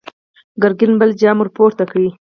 ګرګين بل جام ور پورته کړ!